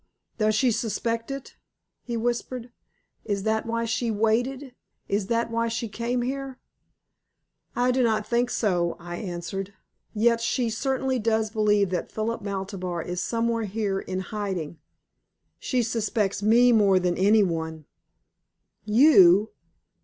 "Does she suspect it?" he whispered. "Is that why she waited? Is that why she came here?" "I do not think so," I answered. "Yet she certainly does believe that Philip Maltabar is somewhere here in hiding. She suspects me more than any one." "You!